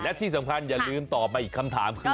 และที่สำคัญอย่าลืมตอบมาอีกคำถามคือ